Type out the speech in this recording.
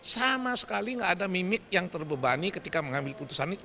sama sekali nggak ada mimik yang terbebani ketika mengambil putusan itu